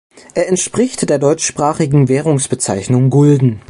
Er entspricht der deutschsprachigen Währungsbezeichnung Gulden.